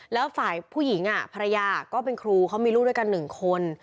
แล้วฝ่ายผู้หญิงภรรยาก็เป็นครูเขามีลูกด้วยกัน๑คน